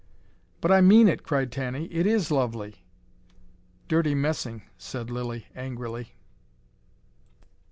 "But I MEAN it," cried Tanny. "It is lovely." "Dirty messing," said Lilly angrily.